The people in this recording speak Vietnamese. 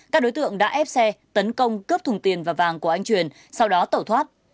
các đối tượng đã ép xe tấn công cướp thùng tiền và vàng của anh truyền sau đó tẩu thoát